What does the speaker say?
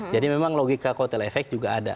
jadi memang logika kotelefex juga ada